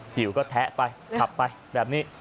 หิวก็แทะไปขับไปแบบนี้